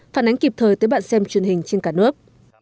phản ánh kịp thời tới bạn xem truyền hình trên cả nước